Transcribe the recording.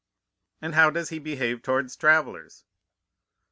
"And how does he behave towards travellers?"